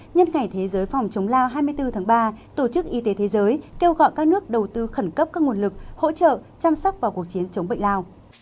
nhân ngày thế giới phòng chống lao hai mươi bốn tháng ba tổ chức y tế thế giới kêu gọi các nước đầu tư khẩn cấp các nguồn lực hỗ trợ chăm sóc vào cuộc chiến chống bệnh lao